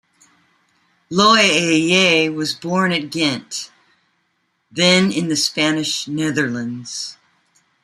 Loeillet was born at Ghent, then in the Spanish Netherlands.